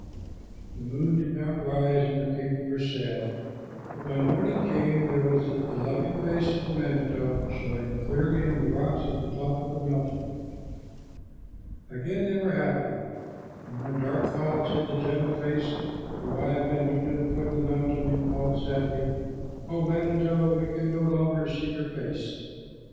The moon did not rise, and the people were sad, but when morning came, there was the loving face of the manito showing clearly in the rocks at the top of the mountain. Again they were happy, but when dark clouds hid the gentle face, the wise men went to the foot of the mountain and called sadly, "O manito, we can no longer see your face."